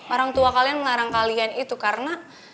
orang tua kalian mengarang kalian itu karena